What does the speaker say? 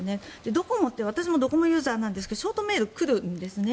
ドコモって私もドコモユーザーなんですがショートメールが来るんですね。